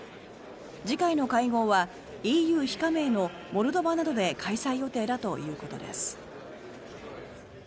次回の会合はＥＵ非加盟のモルドバなどで開催予定だということです。